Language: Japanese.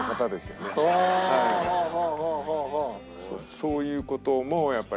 そういう事もやっぱり。